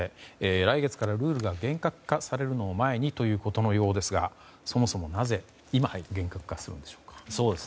来月からルールが厳格化されるのを前にということのようですがそもそもなぜ今、厳格化するのでしょうか。